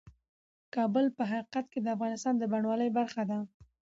کابل په حقیقت کې د افغانستان د بڼوالۍ برخه ده.